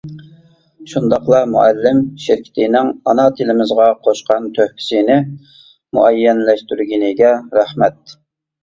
شۇنداقلا مۇئەللىم شىركىتىنىڭ ئانا تىلىمىزغا قوشقان تۆھپىسىنى مۇئەييەنلەشتۈرگىنىگە رەھمەت!